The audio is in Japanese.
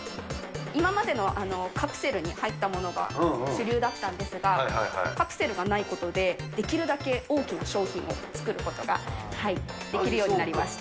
今までのカプセルに入ったものが主流だったんですが、カプセルがないことで、できるだけ大きな商品を作ることができるようになりました。